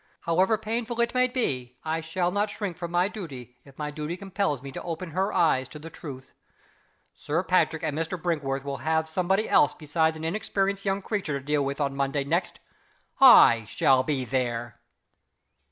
However painful it may be, I shall not shrink from my duty, if my duty compels me to open her eyes to the truth. Sir Patrick and Mr. Brinkworth will have somebody else besides an inexperienced young creature to deal with on Monday next. I shall be there."